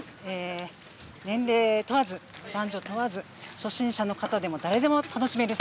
年齢問わず、男女問わず初心者の方でも誰でも楽しめる